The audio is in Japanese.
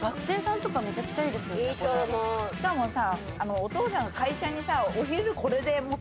しかもさ。